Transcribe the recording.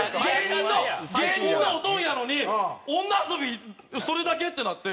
芸人のおとんやのに女遊びそれだけってなって。